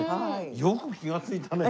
よく気がついたね。